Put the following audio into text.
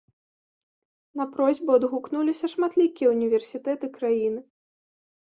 На просьбу адгукнуліся шматлікія ўніверсітэты краіны.